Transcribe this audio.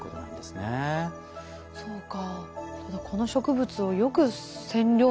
そうか。